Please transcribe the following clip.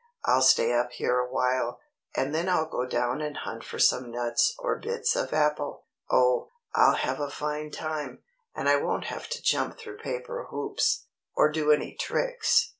"I'll stay up here awhile, and then I'll go down and hunt for some nuts or bits of apple. Oh, I'll have a fine time, and I won't have to jump through paper hoops, or do any tricks."